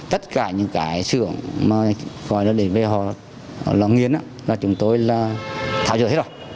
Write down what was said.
tất cả những cái xưởng mà gọi nó đến với họ nó nghiến là chúng tôi là thảo dưỡng hết rồi